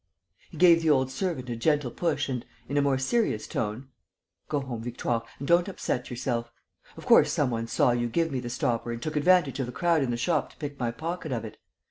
He gave the old servant a gentle push and, in a more serious tone: "Go home, Victoire, and don't upset yourself. Of course, some one saw you give me the stopper and took advantage of the crowd in the shop to pick my pocket of it.